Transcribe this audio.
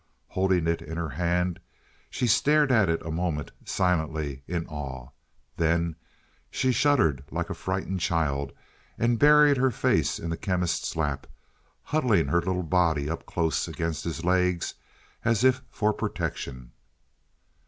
Holding it in her hand, she stared at it a moment, silently, in awe. Then she shuddered like a frightened child and buried her face in the Chemist's lap, huddling her little body up close against his legs as if for protection.